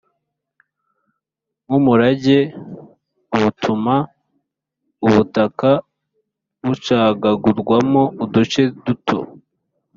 Nk’umurage butuma ubutaka bucagagurwamo uduce duto